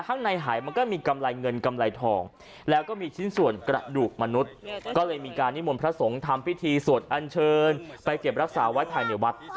ข้างในหายมันก็มีกำไรเงินกำไรทองแล้วก็มีชิ้นส่วนกระดูกมนุษย์ก็เลยมีการนิมนต์พระสงฆ์ทำพิธีสวดอัญเชิญไปเก็บรักษาไว้ภายในวัด